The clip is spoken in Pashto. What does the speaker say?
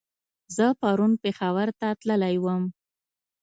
زه پرون پېښور ته تللی ووم